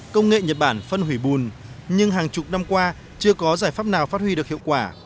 công nghệ nhật bản phân hủy bùn nhưng hàng chục năm qua chưa có giải pháp nào phát huy được hiệu quả